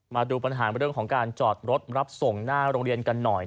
มาดูปัญหาเรื่องของการจอดรถรับส่งหน้าโรงเรียนกันหน่อย